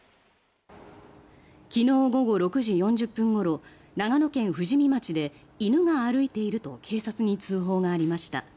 昨日午後６時４０分ごろ長野県富士見町で犬が歩いていると警察に通報がありました。